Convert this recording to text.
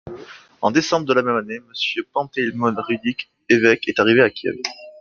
En décembre de la même année, Mgr Panteleimon Rudik, évêque, est arrivé à Kiev.